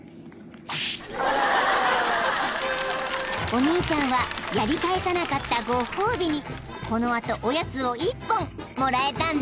［お兄ちゃんはやり返さなかったご褒美にこの後おやつを１本もらえたんだって］